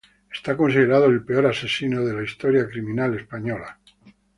Es considerado el peor asesino de la historia criminal española.